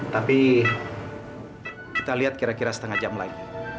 tapi kita lihat kira kira setengah jam lagi